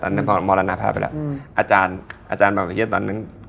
ตอนนั้นมรณภาพไปแล้วอาจารย์อาจารย์บางไผ่เตี้ยตอนนั้น